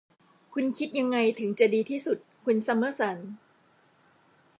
คุณคิดยังไงถึงจะดีที่สุด คุณซัมเมอร์สัน